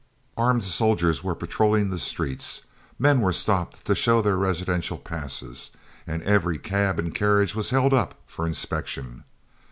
Armed soldiers were patrolling the streets, men were stopped to show their residential passes, and every cab and carriage was held up for inspection.